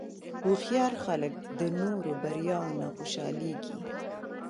هوښیار خلک د نورو بریاوو نه خوشحالېږي.